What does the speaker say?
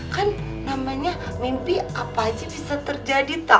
kan namanya mimpi apa aja bisa terjadi tak